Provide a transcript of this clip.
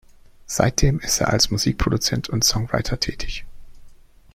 Seitdem ist er als Musikproduzent und Songwriter tätig.